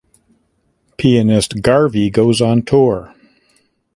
Pianist Garvey goes on tour.